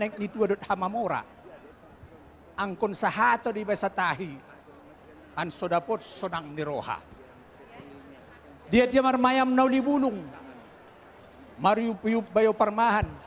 kursinya mohon diangkat